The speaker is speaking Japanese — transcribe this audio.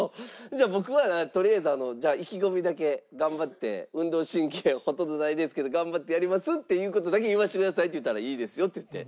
じゃあ僕はとりあえず意気込みだけ頑張って運動神経ほとんどないですけど頑張ってやります！っていう事だけ言わせてください」って言うたら「いいですよ」って言って。